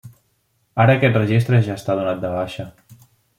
Ara aquest registre ja està donat de baixa.